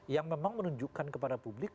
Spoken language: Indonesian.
yang memang menunjukkan kepada publik